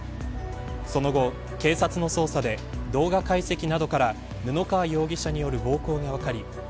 その後、警察の捜査で動画解析などから布川容疑者による暴行が分かり